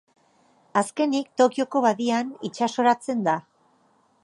Azkenik Tokioko Badian itsasoratzen da.